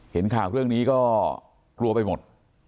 เห็นข่าวเรื่องนี้ก็กลัวไปหมด